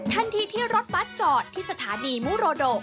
ทันทีที่รถบัสจอดที่สถานีมุโรโด